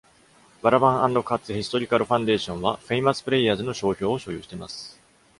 バラバン・アンド・カッツ・ヒストリカル・ファンデーションは、フェイマス・プレイヤーズの商標を所有しています。